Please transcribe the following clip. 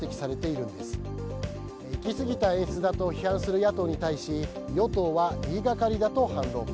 いきすぎた演出だと批判する野党に対し与党は言いがかりだと反論。